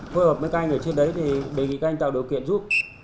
phối hợp với các anh ở trên đấy thì đề nghị các anh tạo điều kiện giúp